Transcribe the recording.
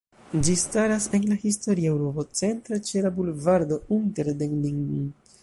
Ĝi staras en la historia urbocentro ĉe la bulvardo Unter den Linden.